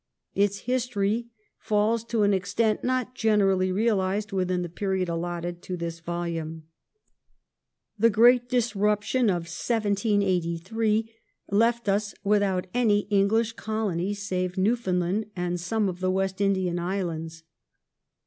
Its history falls, to an extent not generally realized, within the period allotted to this volume. ^' The great disruption of 1783 left us without any English Colonial Colonies save Newfoundland and some of the West Indian islands.